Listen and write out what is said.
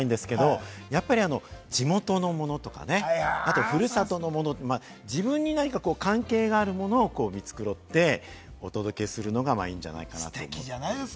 あまりセンスがある方ではないんですけれども、やっぱり地元のものとかね、ふるさとのもの、自分に何か関係があるものを見繕ってお届けするのがいいんじゃないかなと。